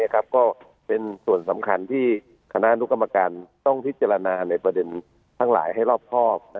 ก็เป็นส่วนสำคัญที่คณะอนุกรรมการต้องพิจารณาในประเด็นทั้งหลายให้รอบครอบ